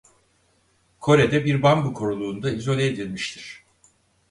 Kore'de bir bambu koruluğunda izole edilmiştir.